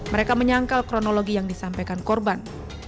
mereka menyangkal kronologi yang disampaikan korban